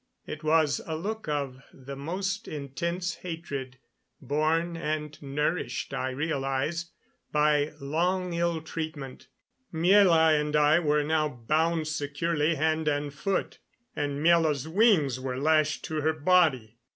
It was a look of the most intense hatred, born and nourished, I realized, by long ill treatment. Miela and I were now bound securely hand and foot, and Miela's wings were lashed to her body.